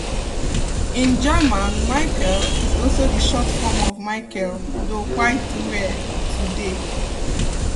In German, "Michel" is also the short form of Michael, though quite rare today.